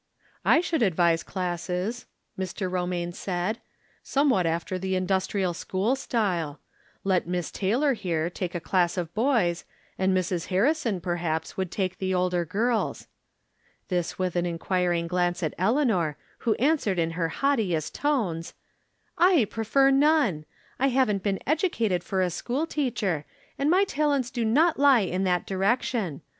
I should advise classes," Mr. Romaine said, " somewhat after the industrial school style. Leb Miss Taylor, here, take a class of boys, and Mrs. Harrison perhaps would take the older girls." This with an inquiring glance at Eleanor, who answered in her haughtiest tones :" I prefer none. I haven't been educated for a school teacher, and my talents do not lie in that direction.